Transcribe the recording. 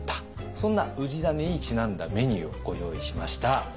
そんな氏真にちなんだメニューをご用意しました。